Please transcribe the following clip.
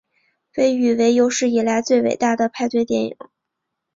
被誉为有史以来最伟大的派对电影。